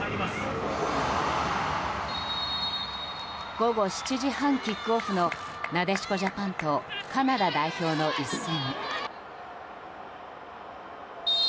午後７時半キックオフのなでしこジャパンとカナダ代表の１戦。